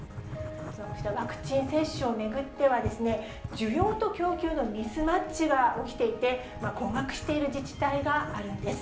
こうしたワクチン接種を巡ってはですね、需要と供給のミスマッチが起きていて、困惑している自治体があるんです。